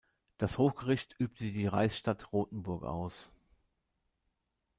Das Hochgericht übte die Reichsstadt Rothenburg aus.